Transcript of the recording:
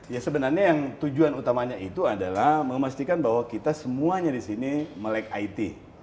ya sebenarnya yang tujuan utamanya itu adalah memastikan bahwa kita semuanya di sini melek it